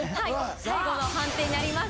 最後の判定になります。